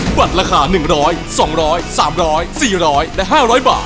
บัตรราคาหนึ่งร้อยสองร้อยสามร้อยสี่ร้อยและห้าร้อยบาท